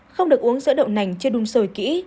không được uống giữa đậu nành chưa đun sôi kỹ